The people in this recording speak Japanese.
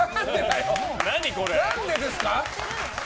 何でですか？